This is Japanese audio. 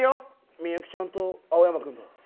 ミユキちゃんと青山君だ。